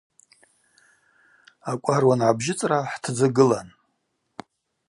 Акӏвар уангӏабжьыцӏра хӏтдзы гылан.